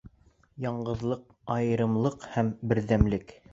Яңғыҙлыҡ, айырымлыҡ һәм берҙәмлеҡ